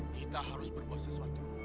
kita harus berbuat sesuatu